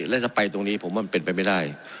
แล้วถ้าไปตรงนี้ผมว่ามันเป็นไปไม่ได้